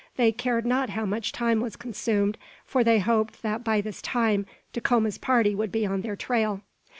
They cared not how much time was consumed, for they hoped that by this time Dacoma's party would be on their trail.